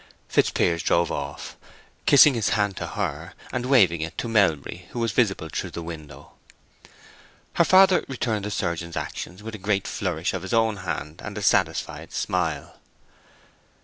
Fitzpiers drove off, kissing his hand to her, and waving it to Melbury who was visible through the window. Her father returned the surgeon's action with a great flourish of his own hand and a satisfied smile.